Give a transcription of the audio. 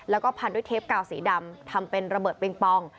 แล้วก็พันด้วยเทปกาวสีดำทำเป็นระเบิดปิงปอง